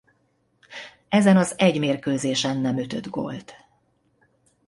Ezen az egy mérkőzésen nem ütött gólt.